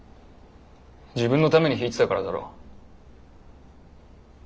自分のために弾いてたからだろ。